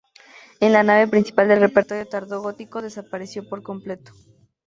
En la nave principal el repertorio tardo gótico desapareció por completo.